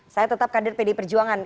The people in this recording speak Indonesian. saya tetap kader pdi perjuangan